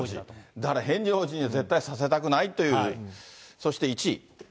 だからヘンリー王子には絶対させたくないという。